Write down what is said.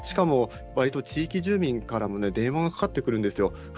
しかも地域住民からも電話がかかってくるんですよ。